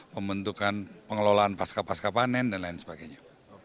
pembentukan pengelolaan pasca pasca panen dan lain sebagainya